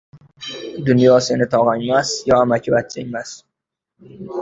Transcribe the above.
biroq u o‘zi uchun nima yaxshiligini bilganda nodon bo‘lmas edi.